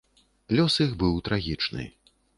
Лёс іх быў трагічны.